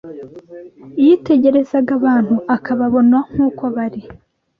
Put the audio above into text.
Yitegerezaga abantu, akababona nk’uko bari